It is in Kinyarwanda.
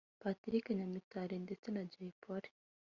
Patrick Nyamitali ndetse na Jay Polly